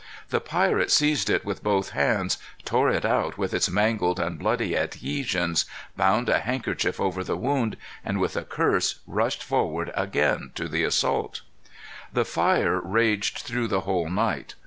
The pirate seized it with both hands, tore it out with its mangled and bloody adhesions, bound a handkerchief over the wound, and with a curse rushed forward again to the assault. The fire raged through the whole night.